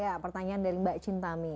ya pertanyaan dari mbak cinta mi